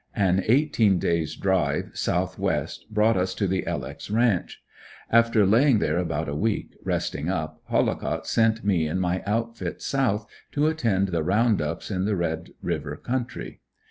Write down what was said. An eighteen day's drive, southwest, brought us to the "L. X." ranch. After laying there about a week, resting up, Hollicott sent me and my outfit south to attend the round ups in the Red River country.